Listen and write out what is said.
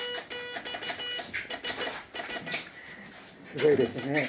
すごいですね。